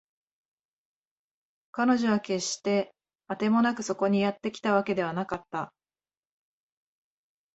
彼女は決してあてもなくそこにやってきたわけではなかった